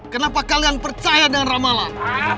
kenapa kalian percaya dengan ramalan